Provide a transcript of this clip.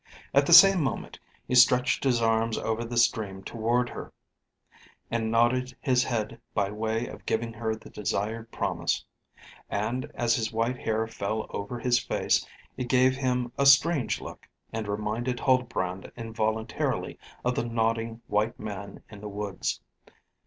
At the same moment he stretched his arms over the stream toward her, and nodded his head by way of giving her the desired promise; and as his white hair fell over his face, it gave him a strange look, and reminded Huldbrand involuntarily of the nodding white man in the woods.